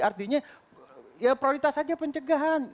artinya ya prioritas saja pencegahan